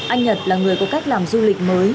anh nhật là người có cách làm du lịch mới